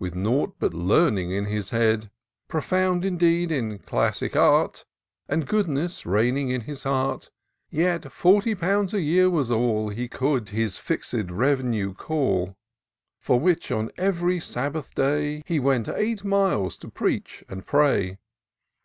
With nought but learning in his head: Profound, indeed, in classic art, And goodness reigning in his heart, Yet forty pounds a year was all He could his fix'd revenue call; For which, on ev'ry Sabbath day, He went eight miles to preach and pray.